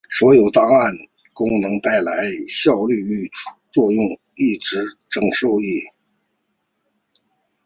所以档案上锁功能带来的功效与副作用一直饱受争议。